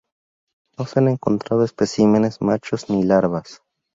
No se han encontrado especímenes machos ni larvas.